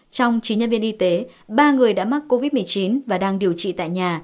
trong chín nhân viên y tế ba người đã mắc covid một mươi chín và đang điều trị tại nhà